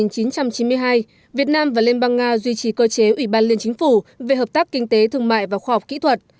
năm một nghìn chín trăm chín mươi hai việt nam và liên bang nga duy trì cơ chế ủy ban liên chính phủ về hợp tác kinh tế thương mại và khoa học kỹ thuật